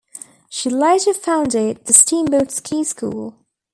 She later founded the Steamboat Ski School.